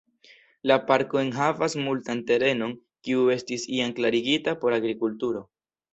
La parko enhavas multan terenon kiu estis iam klarigita por agrikulturo.